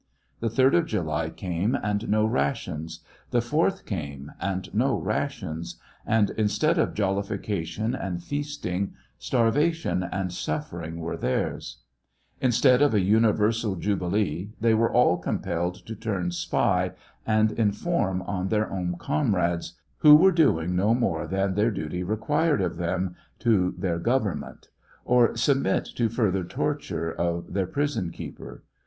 The 3d of July came and no rations ; the 4th came and no rations ; and instead of jollification and feasting, starvation and suffering were theirs ; instead of a universal jubilee they were all compelled to turn spy and inform on their own comrades, who were doing no more than their duty required of them to their gove''nment, or submit to further torture of their prison keeper.